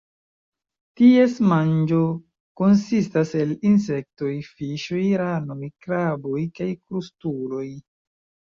Ties manĝo konsistas el insektoj, fiŝoj, ranoj, kraboj kaj krustuloj.